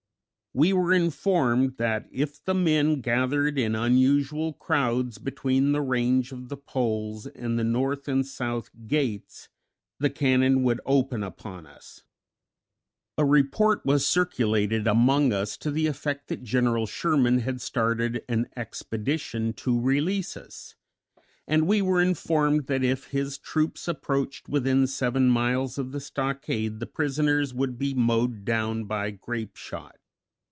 We were informed that if the men gathered in unusual crowds between the range of the poles and the north and south gates, the cannon would open upon us. A report was circulated among us to the effect that General Sherman had started an expedition to release us; and we were informed that if his troops approached within seven miles of the stockade the prisoners would be mowed down by grapeshot.